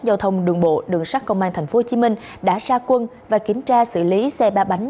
giao thông đường bộ đường sát công an tp hcm đã ra quân và kiểm tra xử lý xe ba bánh